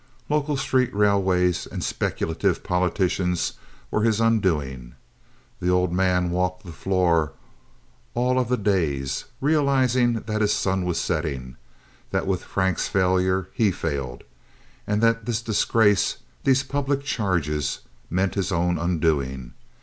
Local street railways and speculative politicians were his undoing. The old man walked the floor all of the days, realizing that his sun was setting, that with Frank's failure he failed, and that this disgrace—these public charges—meant his own undoing.